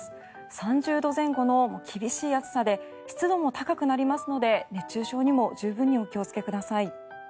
３０度前後の厳しい暑さで湿度も高くなりますので熱中症にも十分にお気をつけください。